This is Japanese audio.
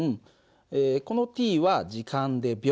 このｔは時間で秒。